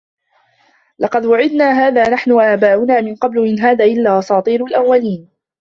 لَقَد وُعِدنا هذا نَحنُ وَآباؤُنا مِن قَبلُ إِن هذا إِلّا أَساطيرُ الأَوَّلينَ